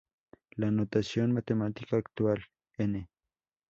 La notación matemática actual "n"!